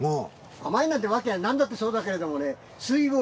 甘いなんてわけなんだってそうだけれどもね。